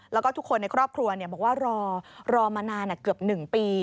แล้วก็ทุกคนในครอบครัวบอกว่ารอมานานเกือบ๑ปี